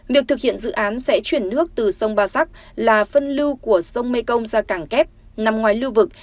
việc thực hiện dự án sẽ chuyển nước từ sông ba sắc là phân lưu của sông mekong ra cảng kép nằm ngoài lưu vực